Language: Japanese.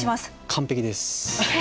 完璧です。